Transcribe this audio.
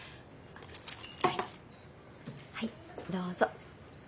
はいどうぞ。